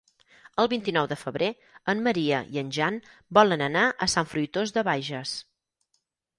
El vint-i-nou de febrer en Maria i en Jan volen anar a Sant Fruitós de Bages.